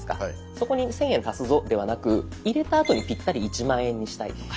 そこに１，０００円足すぞではなく入れたあとにピッタリ１０，０００円にしたいとか。